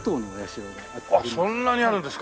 あっそんなにあるんですか！